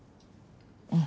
うん。